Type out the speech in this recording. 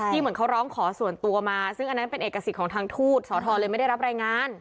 เหมือนเขาร้องขอส่วนตัวมาซึ่งอันนั้นเป็นเอกสิทธิ์ของทางทูตสอทรเลยไม่ได้รับรายงาน